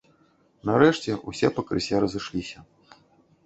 Нарэшце, усе пакрысе разышліся.